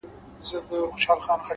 صادق چلند درناوی ژوروي’